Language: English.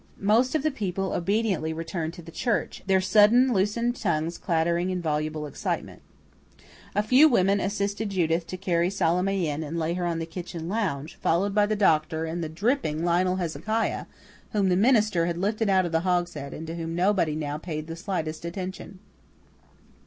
Most of the people obediently returned to the church, their sudden loosened tongues clattering in voluble excitement. A few women assisted Judith to carry Salome in and lay her on the kitchen lounge, followed by the doctor and the dripping Lionel Hezekiah, whom the minister had lifted out of the hogshead and to whom nobody now paid the slightest attention.